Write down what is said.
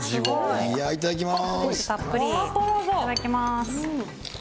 いや、いただきます。